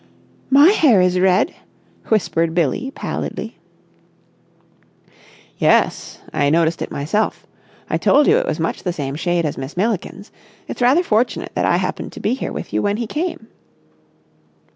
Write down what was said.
"My hair is red!" whispered Billie pallidly. "Yes, I noticed it myself. I told you it was much the same shade as Miss Milliken's. It's rather fortunate that I happened to be here with you when he came."